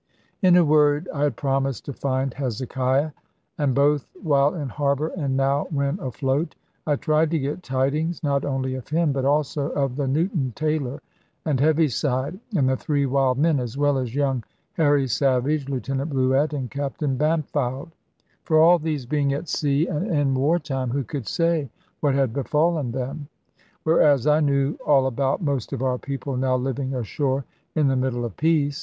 In a word, I had promised to find Hezekiah; and, both while in harbour and now when afloat, I tried to get tidings not only of him, but also of the Newton tailor, and Heaviside, and the three wild men, as well as young Harry Savage, Lieutenant Bluett, and Captain Bampfylde. For all of these being at sea and in war time, who could say what had befallen them? Whereas I knew all about most of our people now living ashore in the middle of peace.